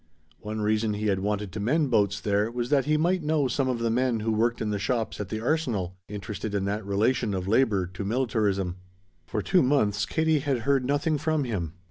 One reason he had wanted to mend boats there was that he might know some of the men who worked in the shops at the Arsenal, interested in that relation of labor to militarism. For two months Katie had heard nothing from him.